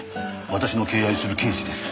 私の敬愛する刑事です。